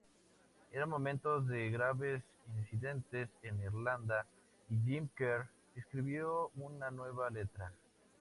Eran momentos de graves incidentes en Irlanda y Jim Kerr escribió una nueva letra.